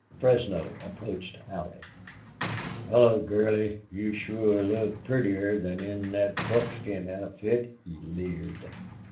Fresno approached Allie. "Hullo, gurly! You sure look purtier than in thet buckskin outfit," he leered.